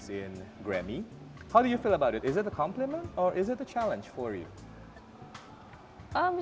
saya hanya ingin tetap berdiri di dalam kemampuan dan fokus pada musik